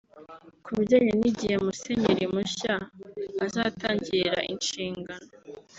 Ku bijyanye n’igihe Musenyeri mushya azatangirira inshingano